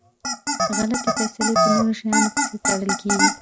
غلطي فیصلی په نورو شیانو پسي تړل کیږي.